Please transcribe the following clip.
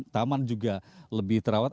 taman juga lebih terawat